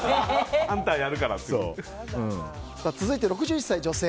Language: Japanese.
続いて、６１歳女性。